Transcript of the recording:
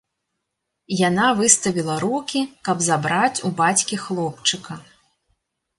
Яна выставіла рукі, каб забраць у бацькі хлопчыка.